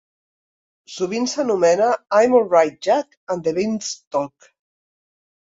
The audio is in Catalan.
Sovint s'anomena "I'm Alright Jack and The Beanstalk".